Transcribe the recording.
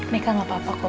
meka gak apa apa kok